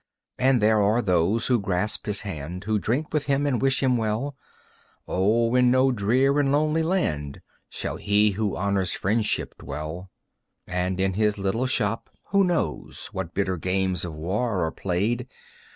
And there are those who grasp his hand, Who drink with him and wish him well. O in no drear and lonely land Shall he who honors friendship dwell. And in his little shop, who knows What bitter games of war are played?